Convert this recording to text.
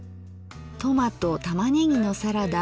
「トマト玉ねぎのサラダ」